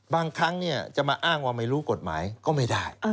บางครั้งจะมาอ้างว่าไม่รู้กฎหมายก็ไม่ได้